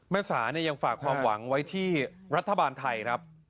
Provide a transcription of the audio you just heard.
สาเนี่ยยังฝากความหวังไว้ที่รัฐบาลไทยครับ